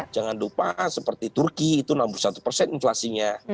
jangan lupa seperti turki itu enam puluh satu persen inflasinya